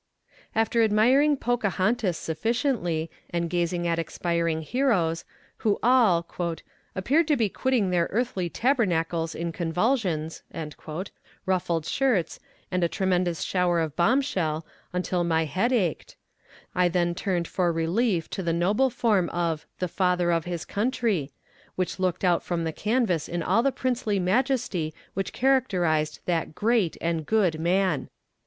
After admiring Pocahontas sufficiently, and gazing at expiring heroes, who all "appeared to be quitting their earthly tabernacles in convulsions," ruffled shirts, and a tremendous shower of bomb shell, until my head ached; I then turned for relief to the noble form of "The Father of his Country," which looked out from the canvas in all the princely majesty which characterized that great and good man.